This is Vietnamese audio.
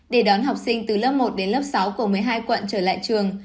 để đón học sinh từ lớp một sáu của một mươi hai quận trở lại trường